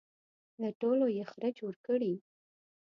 له ټولو یې خره جوړ کړي.